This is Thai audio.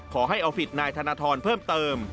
ขอให้เอาผิดนายธนทรเพิ่มเติม